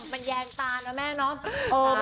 มันแยงตานะแม่เนาะ